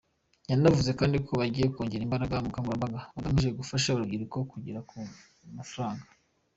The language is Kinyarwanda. Yanavuze kandi ko bagiye kongera imbaraga mu bukangurambaga bugamije gufasha urubyiruko kugera ku mafaranga.